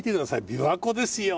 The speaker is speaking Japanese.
琵琶湖ですよ！